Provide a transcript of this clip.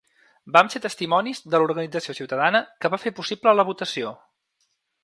Vam ser testimonis de l’organització ciutadana que va fer possible la votació.